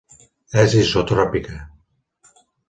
És isotròpica.